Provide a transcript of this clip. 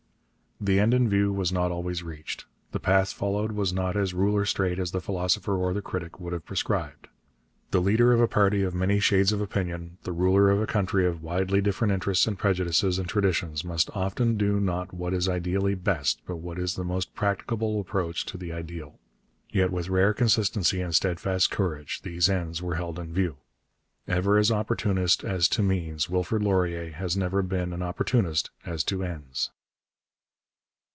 The end in view was not always reached. The path followed was not as ruler straight as the philosopher or the critic would have prescribed. The leader of a party of many shades of opinion, the ruler of a country of widely different interests and prejudices and traditions, must often do not what is ideally best but what is the most practicable approach to the ideal. Yet with rare consistency and steadfast courage these ends were held in view. Ever an opportunist as to means, Wilfrid Laurier has never been an opportunist as to ends.